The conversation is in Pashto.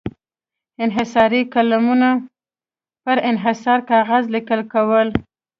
انحصاري قلمونو پر انحصاري کاغذ لیکل کول.